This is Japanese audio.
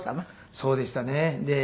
そうでしたね。